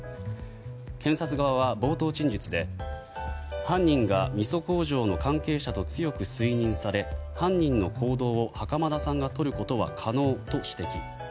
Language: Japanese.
検察側は冒頭陳述で犯人がみそ工場の関係者と強く推認され、犯人の行動を袴田さんがとることは可能と指摘。